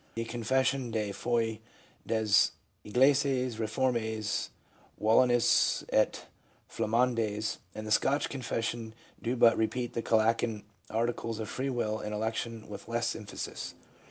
The Con fession de Foi des Eglises UZformies wallonnes et Jlamandes, and the Scotch confession do but repeat the Gallican Articles on Free will and Election with less emphasis.